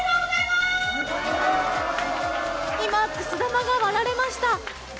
今、くす玉が割られました。